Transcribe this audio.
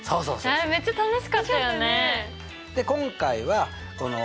あれめっちゃ楽しかったよね！